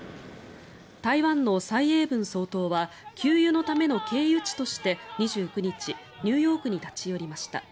台湾の蔡英文総統は給油のための経由地として２９日ニューヨークに立ち寄りました。